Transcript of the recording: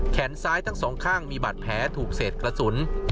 แขนซ้ายทั้งสองข้างมีบาดแผลถูกเศษกระสุน